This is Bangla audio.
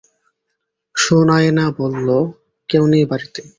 সুনায়না বলল, কেউ নেই বাড়িতে।